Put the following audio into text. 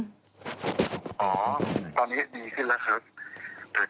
อ๋อตอนนี้ดีขึ้นแล้วครับ